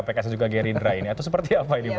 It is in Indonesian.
pks juga gerindra ini atau seperti apa ini